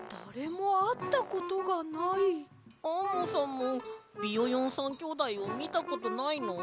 アンモさんもビヨヨン３きょうだいをみたことないの？